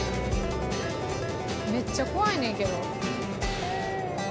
めっちゃ怖いねんけど。